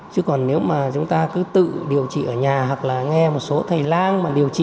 chứ còn nếu mà chúng ta cứ tự điều trị ở nhà hoặc là nghe một số thầy lang mà điều trị